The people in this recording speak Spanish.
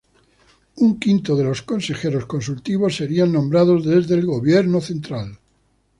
Un quinto de los consejeros consultivos serían nombrados desde el gobierno central.